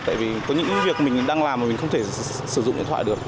tại vì có những việc mình đang làm mà mình không thể sử dụng điện thoại được